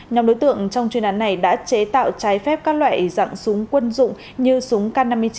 nhóm đối tượng trong chuyên án này đã chế tạo trái phép các loại dạng súng quân dụng như súng k năm mươi chín